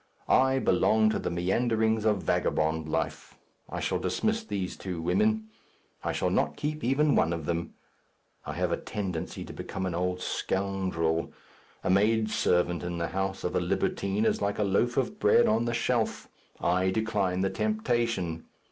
I belong to the meanderings of vagabond life. I shall dismiss these two women. I shall not keep even one of them. I have a tendency to become an old scoundrel. A maidservant in the house of a libertine is like a loaf of bread on the shelf. I decline the temptation.